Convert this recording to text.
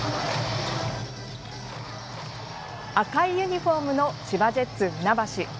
赤いユニフォームの千葉ジェッツふなばし。